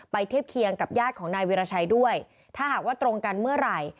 เทียบเคียงกับญาติของนายวิราชัยด้วยถ้าหากว่าตรงกันเมื่อไหร่